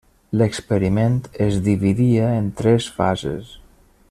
L'experiment es dividia en tres fases.